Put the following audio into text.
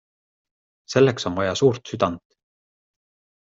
Selleks on vaja suurt südant.